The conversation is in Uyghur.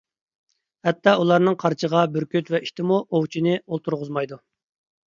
ھەتتا ئۇلارنىڭ قارچىغا، بۈركۈت ۋە ئىتىمۇ ئوۋچىنى ئولتۇرغۇزمايدۇ.